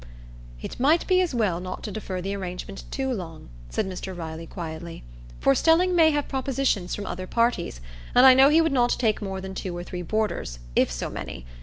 "It might be as well not to defer the arrangement too long," said Mr Riley, quietly, "for Stelling may have propositions from other parties, and I know he would not take more than two or three boarders, if so many.